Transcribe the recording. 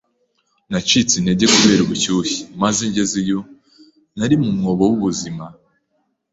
Nacitse intege kubera ubushyuhe, maze ngezeyo, nari mu mwobo w'ubuzima.